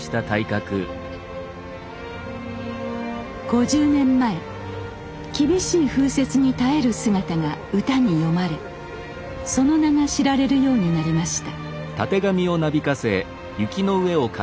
５０年前厳しい風雪に耐える姿が歌に詠まれその名が知られるようになりました。